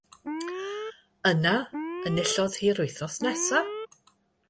Yna enillodd hi eto'r wythnos nesaf.